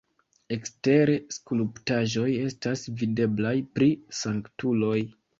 Ekstere skulptaĵoj estas videblaj pri sanktuloj.